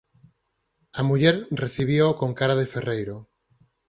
A muller recibíao con cara de ferreiro